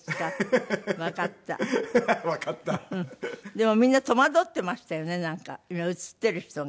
でもみんな戸惑っていましたよねなんか今映っている人が。